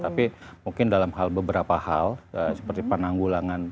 tapi mungkin dalam hal beberapa hal seperti penanggulangan